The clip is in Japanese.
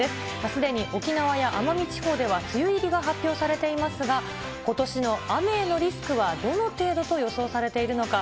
すでに沖縄や奄美地方では梅雨入りが発表されていますが、ことしの雨へのリスクはどの程度と予想されているのか。